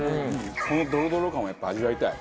このドロドロ感をやっぱり味わいたい。